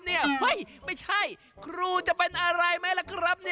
เฮ้ยไม่ใช่ครูจะเป็นอะไรไหมล่ะครับ